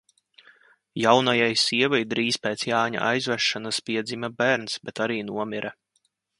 Jaunajai sievai, drīz pēc Jāņa aizvešanas piedzima bērns, bet arī nomira.